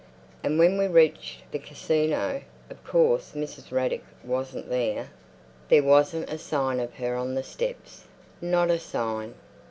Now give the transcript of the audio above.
And when we reached the Casino, of course Mrs. Raddick wasn't there. There wasn't a sign of her on the steps—not a sign.